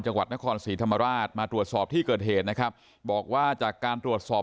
จังหวัดนครศรีธรรมราชมาตรวจสอบที่เกิดเหตุนะครับบอกว่าจากการตรวจสอบ